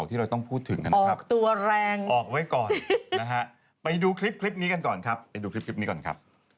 ถึงมา